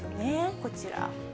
こちら。